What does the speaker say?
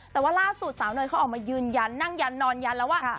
แต่ว่าล่าสุดสาวเนยเขาออกมายืนยันนั่งยันนอนยันแล้วว่า